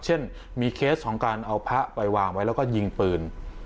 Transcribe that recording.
เช่นมีเคสของการเอาพระไปวางไว้แล้วก็ยิงปืน